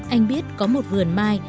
anh biết có một vườn mai